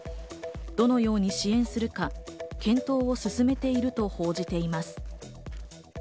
どのように支援するか検討を進めていると報じています。